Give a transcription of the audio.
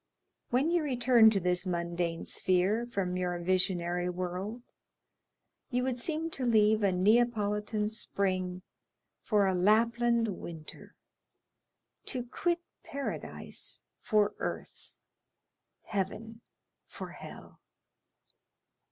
When you return to this mundane sphere from your visionary world, you would seem to leave a Neapolitan spring for a Lapland winter—to quit paradise for earth—heaven for hell!